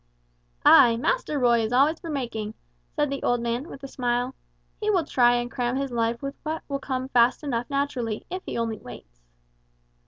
"Ay, Master Roy is always for making," said the old man with a smile; "he will try and cram his life with what will come fast enough naturally, if he only waits."